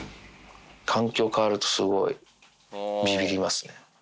環境変わるとすごいビビりますね。